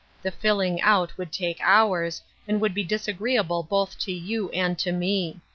The filling out would take hours, and would be disagreeable both to you and to me.